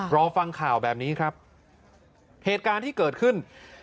รอฟังข่าวแบบนี้ครับเหตุการณ์ที่เกิดขึ้น